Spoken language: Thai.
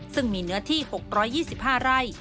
ซึ่งมีเนื้อที่๖๒๕ไร่